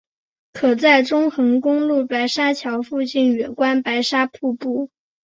可在中横公路白沙桥附近远观白沙瀑布。